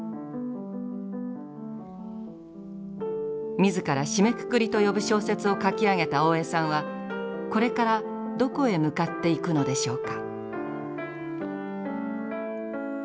自ら締めくくりと呼ぶ小説を書き上げた大江さんはこれからどこへ向かっていくのでしょうか。